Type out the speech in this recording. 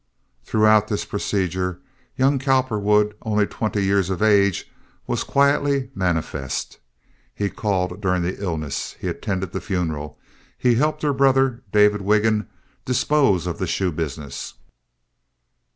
Throughout this procedure young Cowperwood, only twenty years of age, was quietly manifest. He called during the illness. He attended the funeral. He helped her brother, David Wiggin, dispose of the shoe business.